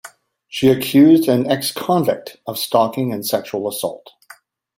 She accused an ex-convict of stalking and sexual assault.